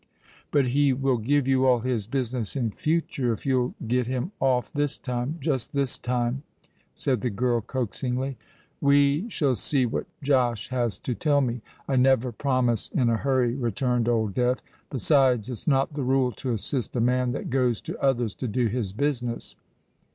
"But he will give you all his business in future, if you'll get him off this time—just this time," said the girl coaxingly. "We shall see what Josh has to tell me—I never promise in a hurry," returned Old Death. "Besides, it's not the rule to assist a man that goes to others to do his business.